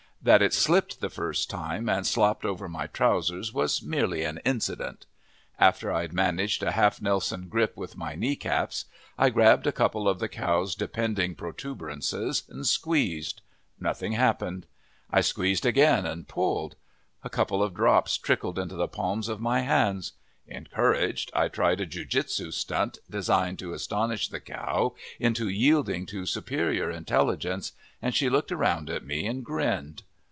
That it slipped the first time and slopped over my trousers was merely an incident. After I'd managed a half nelson grip with my knee caps I grabbed a couple of the cow's depending protuberances and squeezed. Nothing happened. I squeezed again and pulled. A couple of drops trickled into the palms of my hands. Encouraged, I tried a jiu jitsu stunt designed to astonish the cow into yielding to superior intelligence, and she looked around at me and grinned.